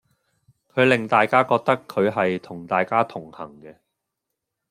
佢令大家覺得佢係同大家同行嘅